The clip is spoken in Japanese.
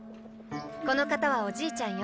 この方はおじいちゃんよ。